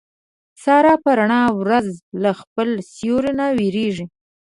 ساره په رڼا ورځ له خپل سیوري نه وېرېږي.